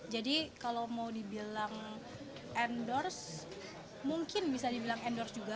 jadi kalau mau dibilang endorse mungkin bisa dibilang endorse juga